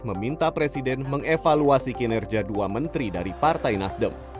meminta presiden mengevaluasi kinerja dua menteri dari partai nasdem